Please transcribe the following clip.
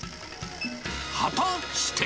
果たして。